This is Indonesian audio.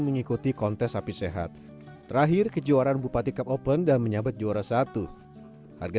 mengikuti kontes sapi sehat terakhir kejuaraan bupati cup open dan menyabet juara satu harga